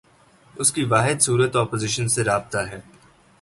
اس کی واحد صورت اپوزیشن سے رابطہ ہے۔